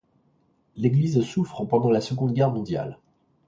L'église souffre pendant la Seconde Guerre mondiale.